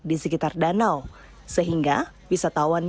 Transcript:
mereka dapat ikan nomor untuk bisikanya diser consultant